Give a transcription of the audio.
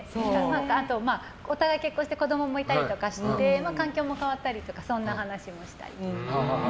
お互い結婚して子供もいたりして環境も変わったりしてそんな話もしたりとか。